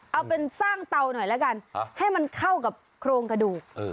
เอาเป็นสร้างเตาหน่อยแล้วกันให้มันเข้ากับโครงกระดูก